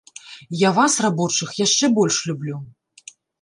Я вас, рабочых, яшчэ больш люблю.